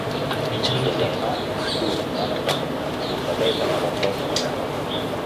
El seu germà, Stu Bannatyne, competeix en la volta a món a vela.